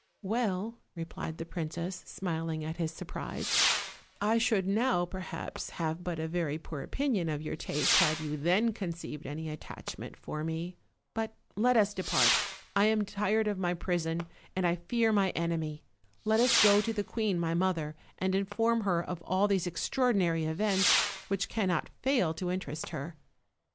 "Well,'* replied the princess, smiling at his surprise, "I should now, perhaps, have but a very poor opinion of your taste had you then conceived any attachment for me; but let us depart; I am tired of my prison, and I fear my enemy; let us go to the queen my mother, and inform her of all these extraordinary events, which can not fail to interest her."